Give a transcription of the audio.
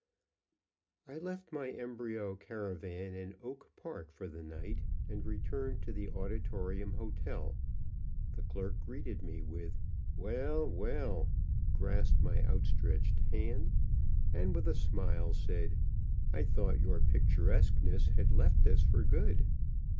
_ I left my embryo caravan in Oak Park for the night, and returned to the Auditorium Hotel. The clerk greeted me with, "Well! well!" grasped my outstretched hand, and with a smile said, "I thought your picturesqueness had left us for good."